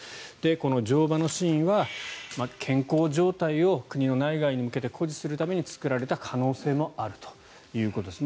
この乗馬のシーンは健康状態を国の内外に向けて誇示するために作られた可能性があるということです。